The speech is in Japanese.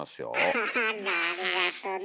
あらありがとね。